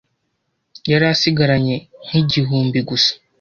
yari asigaranye nk ‘igihumbi gusa